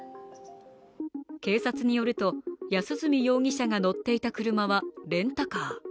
警察によると、安栖容疑者が乗っていた車はレンタカー。